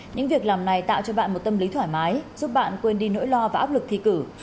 những việc làm này tạo cho bạn một tâm lý thoải mái giúp bạn quên đi nỗi lo và áp lực thi cử